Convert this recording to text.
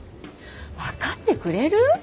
わかってくれる！？